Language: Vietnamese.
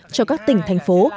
cho các tỉnh thành phố